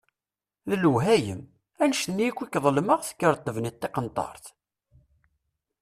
D lewhayem! Annect-nni akk i k-ḍelmeɣ, tekkreḍ tebniḍ tiqenṭert!